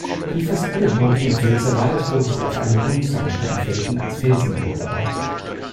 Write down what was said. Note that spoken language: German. Wie fast alle Burgen im Pfälzerwald wurde sie auf einem Buntsandsteinfelsen als Felsenburg erbaut.